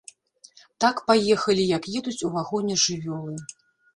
Так паехалі, як едуць у вагоне жывёлы.